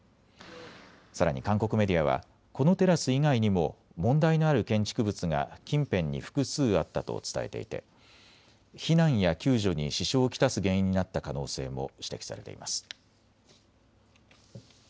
さらに韓国メディアはこのテラス以外にも問題のある建築物が近辺に複数あったと伝えていて避難や救助に支障を来す原因になった可能性も指摘されています。